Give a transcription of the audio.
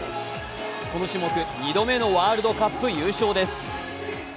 この種目、２度目のワールドカップ優勝です。